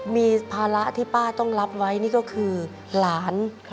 มีภาระที่ป้าต้องรับไว้นี่ก็คือหลาน